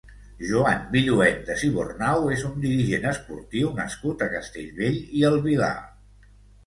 Joan Villuendas i Bornau és un dirigent esportiu nascut a Castellbell i el Vilar.